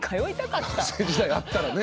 学生時代あったらね。